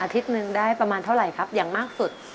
หนึ่งได้ประมาณเท่าไหร่ครับอย่างมากสุด